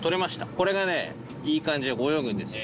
これがねいい感じで泳ぐんですよ。